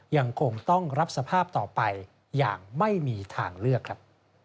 ยังคงต้องรับสภาพต่อไปอย่างไม่มีทางเลือกครับ